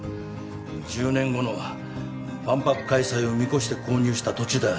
１０年後の万博開催を見越して購入した土地だ。